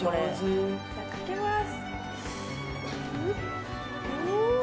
いただきます。